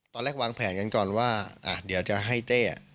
วางแผนกันก่อนว่าเดี๋ยวจะให้เต้